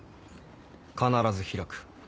必ず開く。